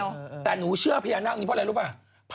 กิ๊แบนหนูเชื่อพยานาคอันนี้เพราะอะไรรู้ป่ะ